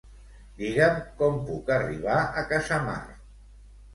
Digue'm com puc arribar a Casamar.